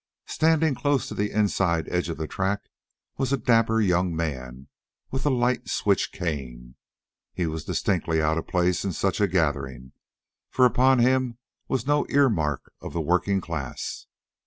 Standing close to the inside edge of the track was a dapper young man with a light switch cane. He was distinctly out of place in such a gathering, for upon him was no ear mark of the working class.